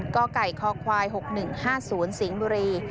กไก่คควาย๖๑๕๐สิงห์บุรี